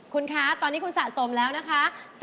คุณคะตอนนี้คุณสะสมแล้วนะคะ